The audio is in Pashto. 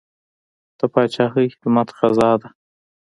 د پاچاهۍ خدمت غزا ده.